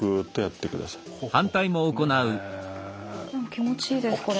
気持ちいいですこれ。